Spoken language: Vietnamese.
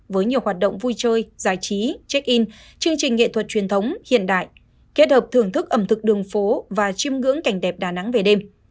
với nhiều hoạt động vui chơi giải trí check in chương trình nghệ thuật truyền thống hiện đại kết hợp thưởng thức ẩm thực đường phố và chiêm ngưỡng cảnh đẹp đà nẵng về đêm